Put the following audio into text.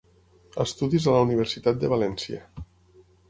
Estudis a la Universitat de València.